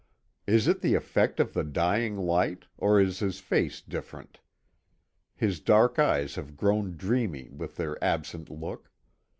Is it the effect of the dying light, or is his face different? His dark eyes have grown dreamy with their absent look.